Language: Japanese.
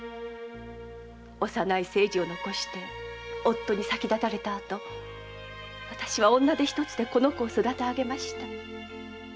幼い清次を残して夫に先立たれたあと私は女手一つでこの子を育て上げました。